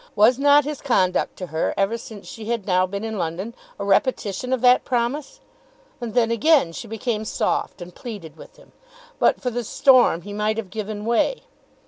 Was not his conduct to her, ever since she had now been in London, a repetition of that promise? And then again she became soft, and pleaded with him. But for the storm he might have given way.